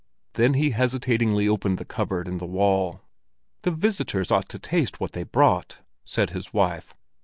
Then he hesitatingly opened the cupboard in the wall. "The visitors ought to taste what they brought," said his wife.